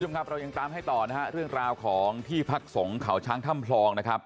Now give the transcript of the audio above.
คุณผู้ชมครับเรายังตามให้ต่อนะฮะเรื่องราวของที่พักสงเขาช้างถ้ำพลองนะครับ